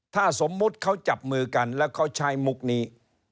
ถ้าสมมุติเขาจับมือกันแล้วเขาใช้มุกนี้